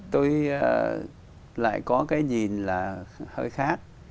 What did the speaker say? tôi lại có cái nhìn là hơi khác